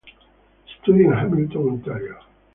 Studio in Hamilton, Ontario.